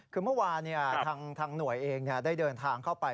คือเมื่อวานทางหน่วยเองได้เดินทางเข้าไป